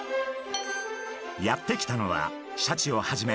やって来たのはシャチをはじめ